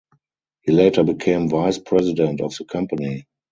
He later became Vice President of the company.